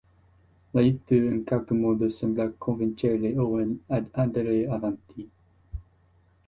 L'aiuto in qualche modo sembra convincere Owen ad andare avanti.